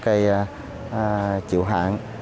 cây chịu hạn